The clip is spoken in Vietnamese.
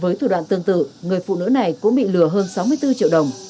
với thủ đoạn tương tự người phụ nữ này cũng bị lừa hơn sáu mươi bốn triệu đồng